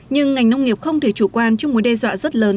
nhưng ngành nông nghiệp không thể chủ quan trước mối đe dọa rất lớn